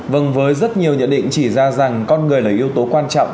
vâng với rất nhiều nhận định chỉ ra rằng con người là yếu tố quan trọng